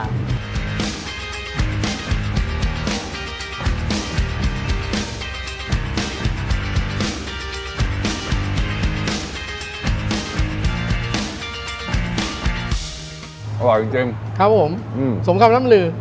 อร่อยจริงจริงครับผม้ืมสมคำน้ำลือ